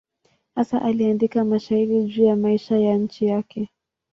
Hasa aliandika mashairi juu ya maisha ya nchi yake.